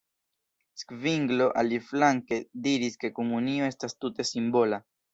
Zvinglo, aliflanke, diris, ke komunio estas tute simbola.